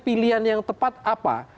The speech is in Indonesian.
pilihan yang tepat apa